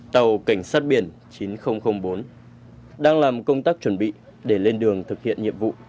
tàu cảnh sát biển chín nghìn bốn đang làm công tác chuẩn bị để lên đường thực hiện nhiệm vụ